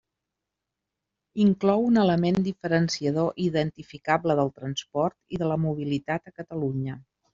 Inclou un element diferenciador i identificable del transport i de la mobilitat a Catalunya.